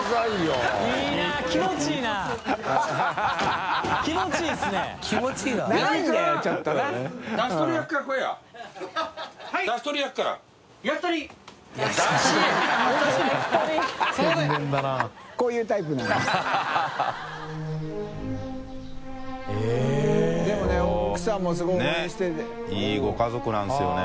佑いいご家族なんですよね。